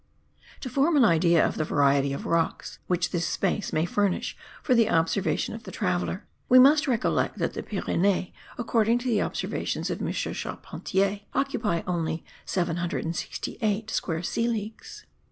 To form an idea of the variety of rocks which this space may furnish for the observation of the traveller, we must recollect that the Pyrenees, according to the observations of M. Charpentier, occupy only 768 square sea leagues.